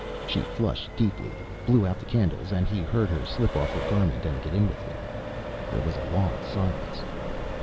She flushed deeply, blew out the candles, and he heard her slip off her garment and get in with him. There was a long silence.